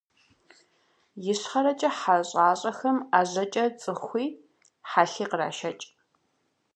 Ищхъэрэкӏэ хьэ щӏащӏэхэм ӏэжьэкӏэ цӏыхуи хьэлъи кърашэкӏ.